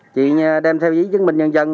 chị đem theo dưới chứng minh nhân dân